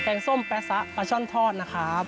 งส้มแป๊ซะปลาช่อนทอดนะครับ